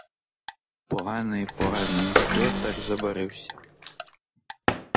Поганий, поганий, чого так забарився?